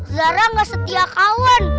zara gak setia kawan